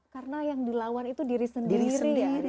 karena yang dilawan itu diri sendiri ya